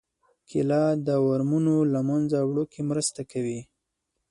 کېله د ورمونو له منځه وړو کې مرسته کوي.